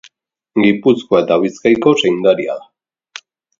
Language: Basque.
Gipuzkoa eta Bizkaiko zaindaria da.